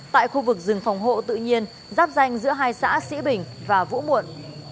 tại khu vực rừng phòng hộ tự nhiên giáp danh giữa hai xã sĩ bình và vũ muộn